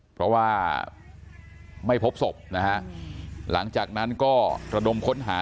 เพราะว่าไม่พบศพนะฮะหลังจากนั้นก็ระดมค้นหา